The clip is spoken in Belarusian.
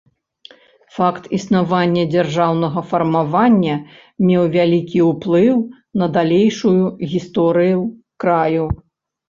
Факт існавання дзяржаўнага фармавання меў вялікі ўплыў на далейшую гісторыю краю.